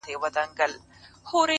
o ستا د پښو ترپ ته هركلى كومه؛